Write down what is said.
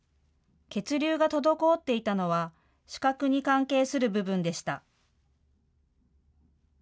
血流が滞っていたのは視覚に関係する部分でした。